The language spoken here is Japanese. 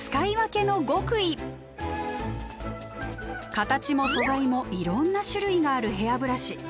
形も素材もいろんな種類があるヘアブラシ。